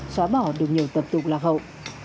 xóa bỏ được nhiều tập tục là hậu